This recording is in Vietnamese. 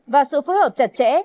và sự phối hợp chặt chẽ